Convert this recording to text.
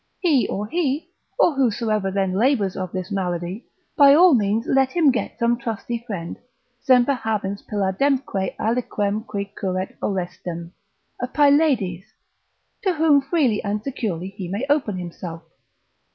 He or he, or whosoever then labours of this malady, by all means let him get some trusty friend, Semper habens Pylademque aliquem qui curet Orestem, a Pylades, to whom freely and securely he may open himself.